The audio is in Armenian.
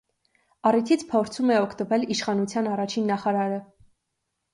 Առիթից փորձում է օգտվել իշխանության առաջին նախարարը։